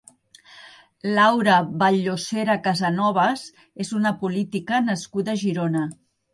Laura Vall-llosera Casanovas és una política nascuda a Girona.